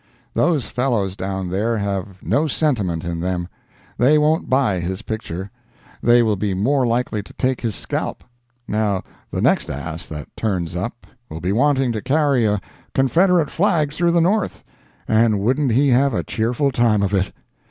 Those fellows down there have no sentiment in them. They won't buy his picture. They will be more likely to take his scalp. Now the next ass that turns up will be wanting to carry a Confederate flag through the North, and wouldn't he have a cheerful time of it?